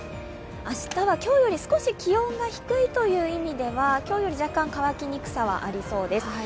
明日は今日より少し気温が低いという意味では今日より若干乾きにくさはありそうです。